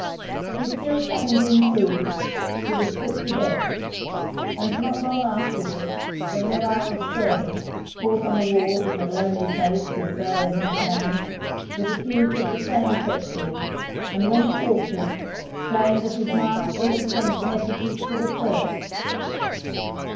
His guilt having been proved, he was put to death, and not long afterward D'Amiral's ser vant, caught on the walls at a lonely place with a bow in his hand, was accused of the same treachery, and, when tortured, claimed that his master had sent THE SIEGE OF RHODES messages to the Turks.